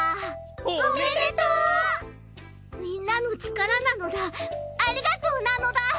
みんなの力なのだありがとうなのだ。